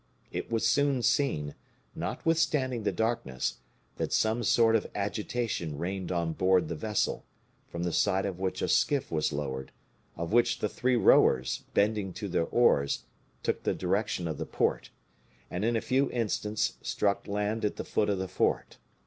It was soon seen, notwithstanding the darkness, that some sort of agitation reigned on board the vessel, from the side of which a skiff was lowered, of which the three rowers, bending to their oars, took the direction of the port, and in a few instants struck land at the foot of the fort.